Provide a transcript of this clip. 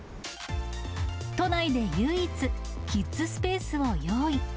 都内で唯一、キッズスペースを用意。